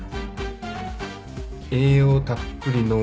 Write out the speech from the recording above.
栄養たっぷりの。